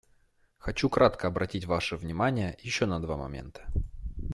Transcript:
Хочу кратко обратить ваше внимание еще на два момента.